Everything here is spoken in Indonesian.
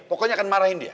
pokoknya akan marahin dia